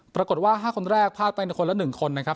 ปรากฏว่า๕คนแรกพลาดไปคนละ๑คนนะครับ